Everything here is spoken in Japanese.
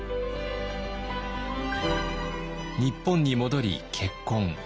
日本に戻り結婚。